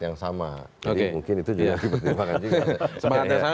jadi mungkin itu juga dipertimbangkan juga